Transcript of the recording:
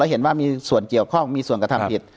เห็นว่ามีส่วนเกี่ยวข้องมีส่วนกระทำผิด